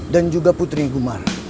dan juga putrinya gumar